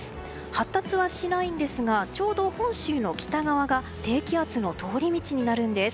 発達はしないんですがちょうど本州の北側が低気圧の通り道になるんです。